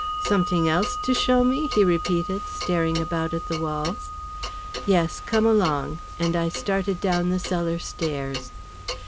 "Somet'ing else to show me?" he repeated, staring about at the walls. "Yes; come along," and I started down the cellar stairs.